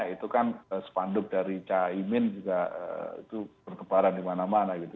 itu kan sepanduk dari caimin juga itu berkebaran dimana mana gitu